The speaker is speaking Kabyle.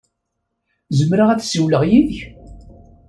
Zemreɣ ad ssiwleɣ yid-k?